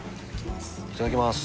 いただきます。